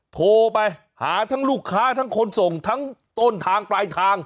โทรไปหาทั้งลูกค้าทั้งคนส่งทั้งต้นทางปลายทาง